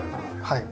はい。